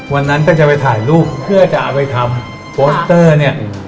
วันนั้นก็จะไปถ่ายรูปเพื่อจะเอาไปทำโปสเตอร์เนี่ย